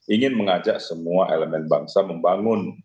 ingin mengajak semua elemen bangsa membangun